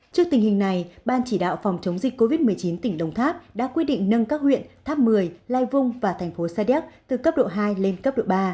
trước tình hình này ban chỉ đạo phòng chống dịch covid một mươi chín tỉnh đồng tháp đã quyết định nâng các huyện tháp một mươi lai vung và thành phố sa đéc từ cấp độ hai lên cấp độ ba